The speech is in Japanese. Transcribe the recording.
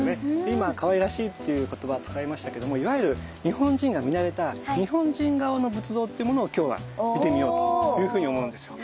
今かわいらしいっていう言葉を使いましたけどもいわゆる日本人が見慣れた日本人顔の仏像っていうものを今日は見てみようというふうに思うんですよ。